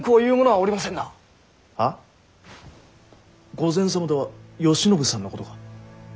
御前様とは慶喜さんのことか？